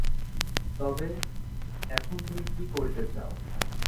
তবে, এখন তুমি কী করিতে চাও।